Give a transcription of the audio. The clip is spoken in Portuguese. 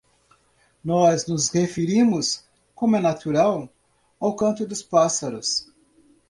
Nós nos referimos, como é natural, ao canto dos pássaros.